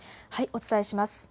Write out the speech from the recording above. お伝えします。